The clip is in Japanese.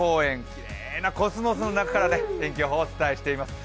きれいなコスモスの中から天気予報をお伝えしています。